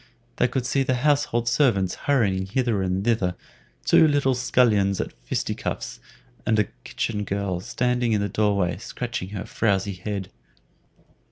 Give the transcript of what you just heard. They could see the household servants hurrying hither and thither, two little scullions at fisticuffs, and a kitchen girl standing in the door way scratching her frowzy head.